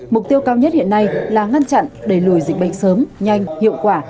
mục tiêu cao nhất hiện nay là ngăn chặn đẩy lùi dịch bệnh sớm nhanh hiệu quả